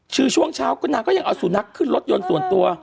คือช่วงเช้าก็นางก็ยังเอาสุนัขขึ้นรถยนต์ส่วนตัว